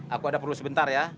aku ada perlu sebentar ya